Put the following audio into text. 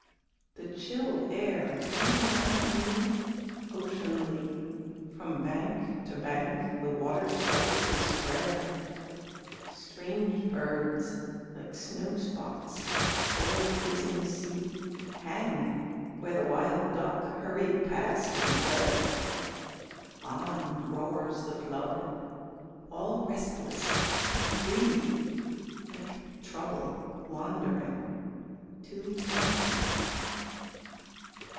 The chill air comes around me oceanly, From bank to bank the waterstrife is spread; Strange birds like snowspots oer the whizzing sea Hang where the wild duck hurried past and fled. On roars the flood, all restless to be free, Like Trouble wandering to Eternity.